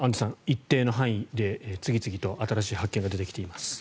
一定の範囲で次々と新しい発見が出てきています。